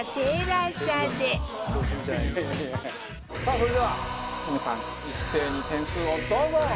さあそれでは皆さん一斉に点数をどうぞ！